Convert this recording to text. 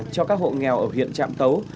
cho các hộ nghèo ở huyện trạm tấu